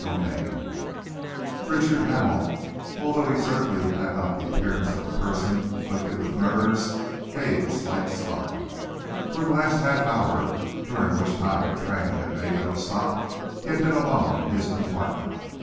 CHAPTER VIII Richard Hamel, although he certainly had not the appearance of a person afflicted with nerves, gave a slight start. For the last half hour, during which time the train had made no stop, he had been alone in his compartment.